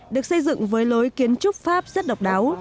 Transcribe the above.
được xây dựng với lối kiến trúc pháp rất độc đáo